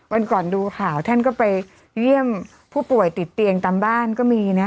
วันก่อนดูข่าวท่านก็ไปเยี่ยมผู้ป่วยติดเตียงตามบ้านก็มีนะ